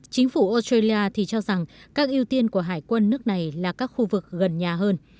chính phủ australia thì cho rằng các ưu tiên của hải quân nước này là các khu vực gần nhà hơn